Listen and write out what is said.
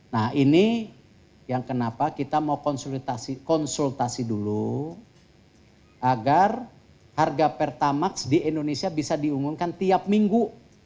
nah ini yang kenapa kita mau konsultasi dulu agar harga pertamax di indonesia bisa diumumkan tiap minggu